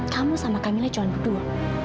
kamu sama kak mila cuman berdua